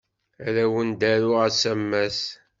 Ad awen-d-aruɣ asamas.